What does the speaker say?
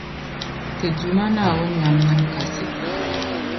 Ti Duuma Naawuni nam niŋ kasi.